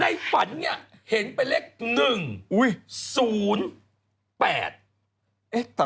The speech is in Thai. ในฝันนี่เห็นไปเลข๑๐๘เอออุ๊ย